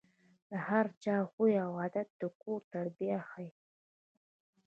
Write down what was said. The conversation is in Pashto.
د هر چا خوی او عادت د کور تربیه ښيي.